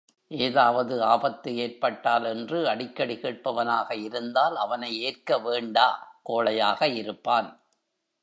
ஏதாவது ஆபத்து ஏற்பட்டால் என்று அடிக்கடி கேட்பவனாக இருந்தால் அவனை ஏற்க வேண்டா கோழையாக இருப்பான்.